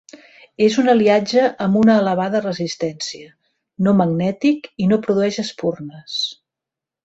És un aliatge amb una elevada resistència, no magnètic i no produeix espurnes.